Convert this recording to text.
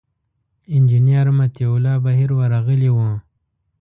انجینر مطیع الله بهیر ورغلي و.